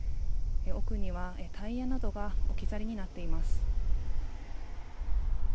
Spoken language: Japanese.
奥にはタイヤなどが置き去りになっています。